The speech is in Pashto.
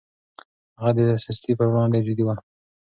هغه د سستي پر وړاندې جدي و.